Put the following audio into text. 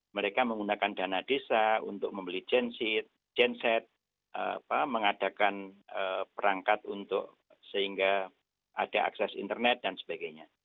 mereka menggunakan dana desa untuk membeli genset mengadakan perangkat untuk sehingga ada akses internet dan sebagainya